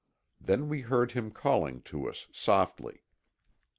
Then we heard him calling to us softly.